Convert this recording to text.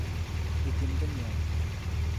I tem ta niiwung.